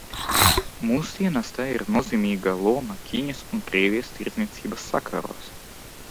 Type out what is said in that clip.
Mūsdienās tai ir nozīmīga loma Ķīnas un Krievijas tirdzniecības sakaros.